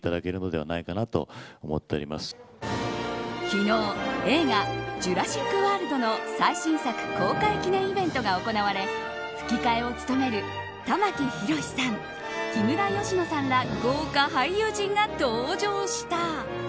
昨日、映画「ジュラシック・ワールド」の最新作公開記念イベントが行われ吹き替えを務める玉木宏さん、木村佳乃さんら豪華俳優陣が登場した。